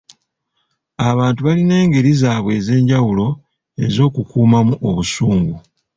Abantu balina engeri zaabwe ez'enjawulo ez'okukuuma mu obusungu.